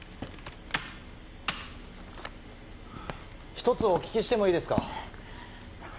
ひとつお聞きしてもいいですか